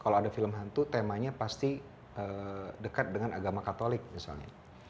kalau ada film hantu temanya pasti dekat dengan agama katolik misalnya